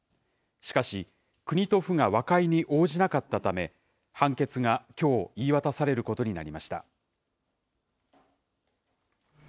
しかし、国と府が和解に応じなかったため、判決がきょう言い渡されることになりました。